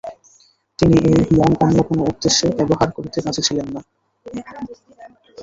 তিনি এই মন অন্য কোন উদ্দেশ্যে ব্যবহার করিতে রাজী ছিলেন না।